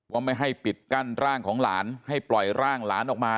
ไม่ให้ปิดกั้นร่างของหลานให้ปล่อยร่างหลานออกมา